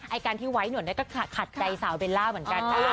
ไอ้การที่ไว้หนวดก็ขัดใจสาวเบลล่าเหมือนกันนะ